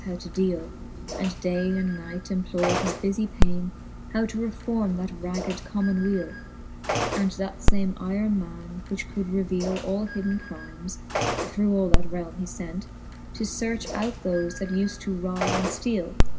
His ftudie was true juftice how to deale, And day and night employ 'd his bufie paine How to reforme that ragged common weale : 'And that fame yron man, which could reveale All hidden crimes, through all that realme he fent^ To fearch outthofe, that ufd to rob and fteale.